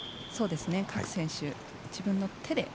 各選手、自分の手で。